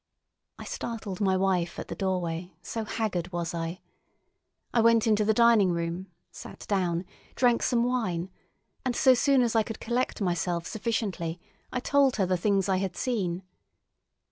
I startled my wife at the doorway, so haggard was I. I went into the dining room, sat down, drank some wine, and so soon as I could collect myself sufficiently I told her the things I had seen.